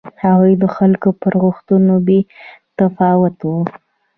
هغوی د خلکو پر غوښتنو بې تفاوته و.